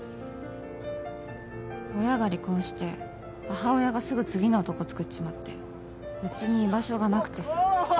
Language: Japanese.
親が離婚して母親がすぐ次の男つくっちまってうちに居場所がなくてさ。